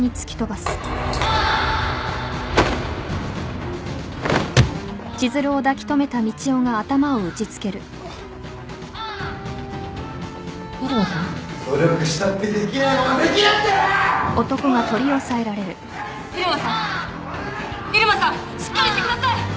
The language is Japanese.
しっかりしてください！